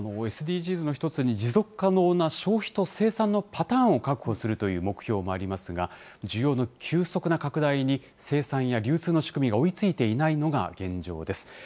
ＳＤＧｓの１つに、持続可能な消費と生産のパターンを確保するという目標もありますが、需要の急速な拡大に生産や流通の仕組みが追いついていないのが現状です。